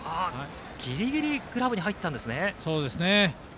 ギリギリグラブに入ったんですね。